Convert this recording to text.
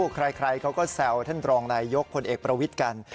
ใครเขาก็แซวท่านรองนายยกพลเอกประวิทย์กัน